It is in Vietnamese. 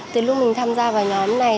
từ lúc mình tham gia vào nhóm này